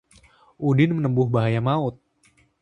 Udin menempuh bahaya maut